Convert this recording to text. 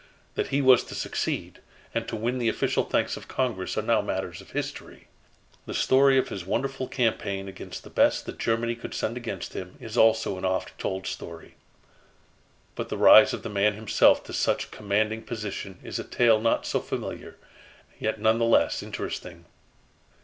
That he was to succeed, and to win the official thanks of Congress are now matters of history. The story of his wonderful campaign against the best that Germany could send against him is also an oft told story. But the rise of the man himself to such commanding position is a tale not so familiar, yet none the less interesting.